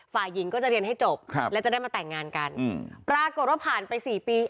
ฝ่ายหญิงก็จะเรียนให้จบครับแล้วจะได้มาแต่งงานกันอืมปรากฏว่าผ่านไปสี่ปี